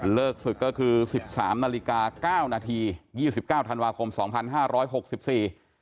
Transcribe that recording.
ศึกก็คือสิบสามนาฬิกาเก้านาทียี่สิบเก้าธันวาคมสองพันห้าร้อยหกสิบสี่